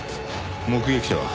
目撃者は？